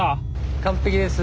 完璧です。